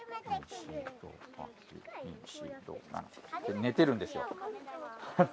寝てるんですよ。